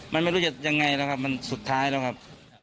มันไม่รู้จะยังไงนะครับมันสุดท้ายแล้วครับ